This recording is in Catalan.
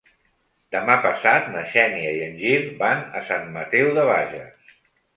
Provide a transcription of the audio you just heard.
Demà passat na Xènia i en Gil van a Sant Mateu de Bages.